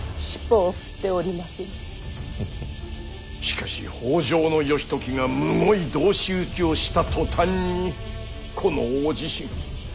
しかし北条義時がむごい同士討ちをした途端にこの大地震。